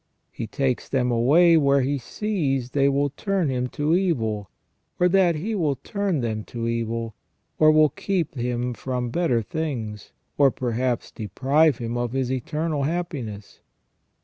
He takes them away where He sees they will turn him to evil, or that he will turn them to evil, or will keep him from better things, or perhaps deprive him of his eternal happiness.